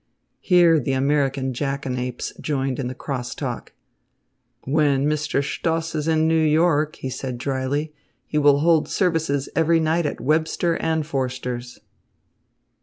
Here the American jackanapes joined in the cross talk. "When Mr. Stoss is in New York," he said drily, "he will hold services every night at Webster and Forster's."